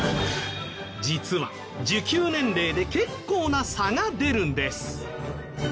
実は受給年齢で結構な差が出るんです。